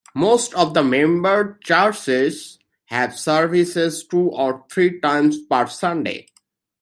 Most of the member churches have services two or three times per Sunday.